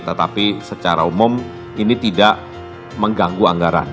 tetapi secara umum ini tidak mengganggu anggaran